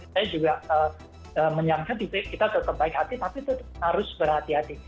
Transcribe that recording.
saya juga menyangka kita tetap baik hati tapi tetap harus berhati hati